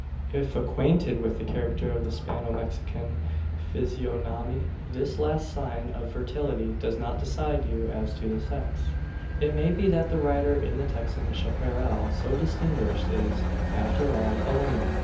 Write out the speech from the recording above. If acquainted with the character of the Spano Mexican physiognomy, this last sign of virility does not decide you as to the sex. It may be that the rider in the Texan chapparal, so distinguished, is, after all, a woman!